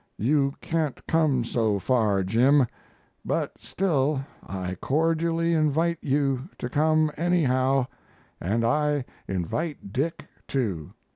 You can't come so far, Jim, but still I cordially invite you to come anyhow, and I invite Dick too.